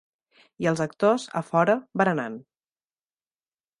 I els actors, a fora, berenant.